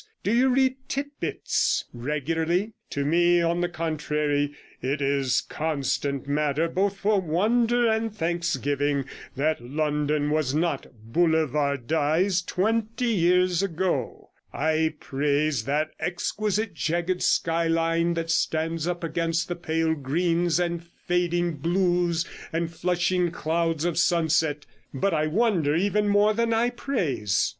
Do you read Tit Bits, regularly? To me, on the contrary, it is constant matter both for wonder and thanksgiving that London was not boulevardized twenty years ago. I praise that exquisite jagged skyline that stands up against the pale greens and fading blues and flushing clouds of sunset, but I wonder even more than I praise.